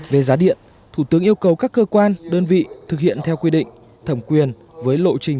về giá điện thủ tướng yêu cầu các cơ quan đơn vị thực hiện theo quy định thẩm quyền với lộ trình